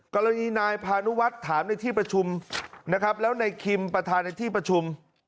กรณีนายพานุวัฒน์ถามในที่ประชุมนะครับแล้วในคิมประธานในที่ประชุม